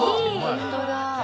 ホントだ。